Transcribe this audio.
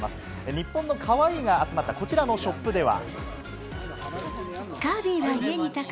日本のカワイイが集まった、こちらのショップでは。